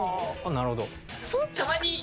なるほど。